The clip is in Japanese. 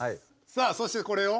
さあそしてこれを。